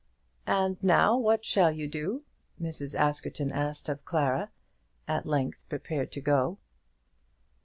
"And now what shall you do?" Mrs. Askerton asked of Clara, at length prepared to go.